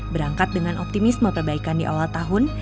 berangkat dengan optimisme perbaikan di awal tahun